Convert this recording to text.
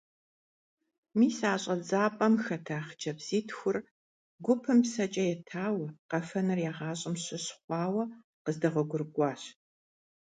Мис а щӀэдзапӀэм хэта хъыджэбзитхур гупым псэкӀэ етауэ, къэфэныр я гъащӀэм щыщ хъуауэ къыздэгъуэгурыкӀуащ.